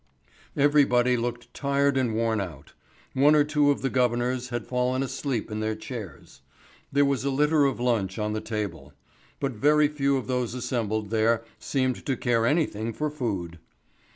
Everybody looked tired and worn out. One or two of the governors had fallen asleep in their chairs. There was a litter of lunch on the table. But very few of those assembled there seemed to care anything for food.